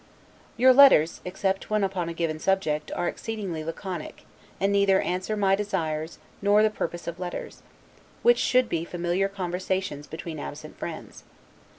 Your letters, except when upon a given subject, are exceedingly laconic, and neither answer my desires nor the purpose of letters; which should be familiar conversations, between absent friends.